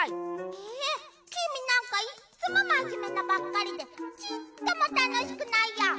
えきみなんかいっつもまじめなばっかりでちっともたのしくないや！